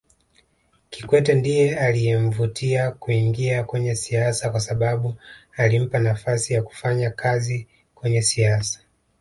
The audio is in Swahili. Kikwete ndiye aliyemvutia kuingia kwenye siasa kwasababu alimpa nafasi ya kufanya kazi kwenye siasa